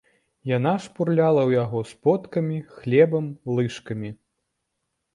Яна шпурляла ў яго сподкамі, хлебам, лыжкамі.